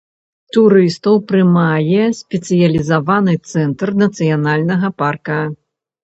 Турыстаў прымае спецыялізаваны цэнтр нацыянальнага парка.